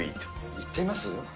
行ってみます？